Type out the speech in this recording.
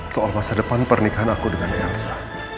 soal masa depan pernikahan aku dengan elsa